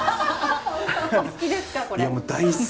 お好きですか？